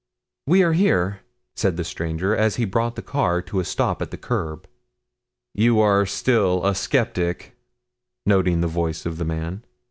"We are here," said the stranger as he brought the car to a stop at the curb. "You are still a skeptic," noting the voice of the man.